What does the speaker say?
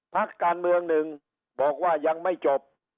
พักการเมืองหนึ่งบอกว่ายังไม่จบ